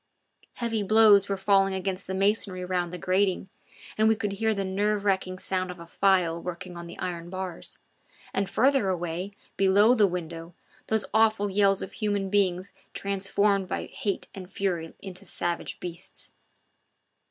Heavy blows were falling against the masonry round the grating, and we could hear the nerve racking sound of a file working on the iron bars; and farther away, below the window, those awful yells of human beings transformed by hate and fury into savage beasts.